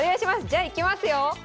じゃあいきますよ。